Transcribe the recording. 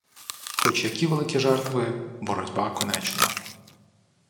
Хоч які великі жертви — боротьба конечна.